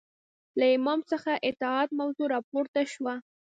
له امام څخه اطاعت موضوع راپورته شوه